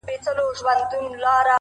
• د نوم له سيـتاره دى لـوېـدلى؛